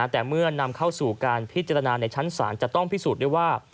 แต่เมื่อนำเข้าสู่การพิจารณาในชั้นศาลจะต้องพิสูจน์ด้วยว่า